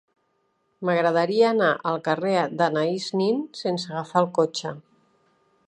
M'agradaria anar al carrer d'Anaïs Nin sense agafar el cotxe.